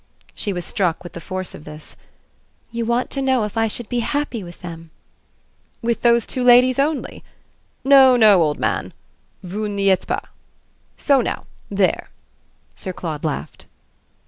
She was struck with the force of this. "You want to know if I should be happy with THEM." "With those two ladies only? No, no, old man: vous n'y êtes pas. So now there!" Sir Claude laughed.